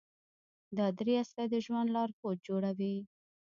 دا درې اصله د ژوند لارښود جوړوي.